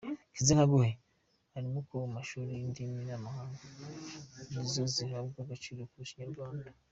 Irimo kuba mu mashuri indimi z’amahanga ari zo zihabwa agaciro kurusha ikinyarwanda.